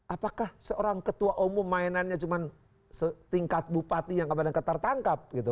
apakah seorang ketua umum mainannya cuman setingkat bupati yang kemana mana tertangkap